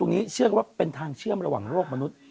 นี้เชื่อกันว่าเป็นทางเชื่อมระหว่างโลกมนุษย์